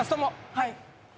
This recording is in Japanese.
はい！